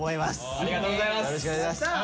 ありがとうございます。